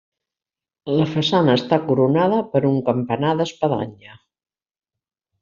La façana està coronada per un campanar d'espadanya.